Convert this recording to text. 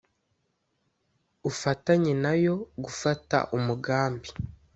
ufatanye na yo gufata umugambi